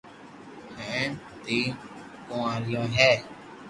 ھين تين ڪواريو ھي